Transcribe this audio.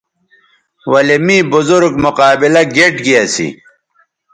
ولے می بزرگ مقابلہ گیئٹ گی اسی